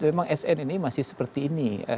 memang sn ini masih seperti ini